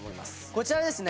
こちらですね。